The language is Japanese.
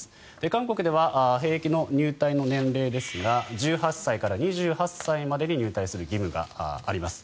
韓国では兵役の入隊の年齢ですが１８歳から２８歳までに入隊する義務があります。